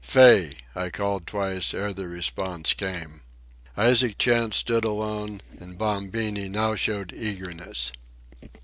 "Fay!" I called twice, ere the response came. Isaac Chantz stood alone, and Bombini now showed eagerness.